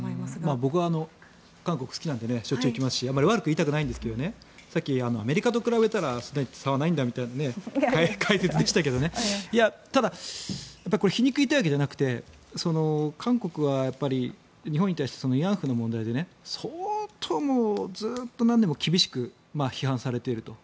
僕は韓国が好きですししょっちゅう行きますしあまり悪く言いたくないんですがさっき、アメリカと比べたら差はないんだという解説でしたけど皮肉を言いたいわけではなくて韓国は日本に対して慰安婦の問題で相当、ずっと何度も厳しく批判されていると。